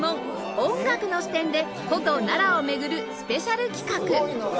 音楽の視点で古都奈良を巡るスペシャル企画